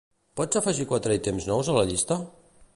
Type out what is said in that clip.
Pots afegir quatre ítems nous a la llista?